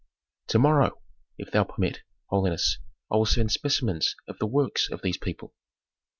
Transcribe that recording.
"To morrow, if thou permit, holiness, I will send specimens of the works of these people."